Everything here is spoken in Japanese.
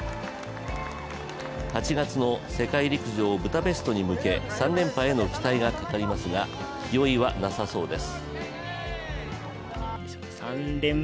８月の世界陸上ブダペストに向け３連覇への期待がかかりますが気負いはなさそうです。